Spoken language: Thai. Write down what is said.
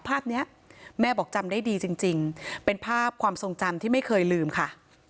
ภาพนี้แม่บอกจำได้ดีจริงเป็นภาพความทรงจำที่ไม่เคยลืมค่ะ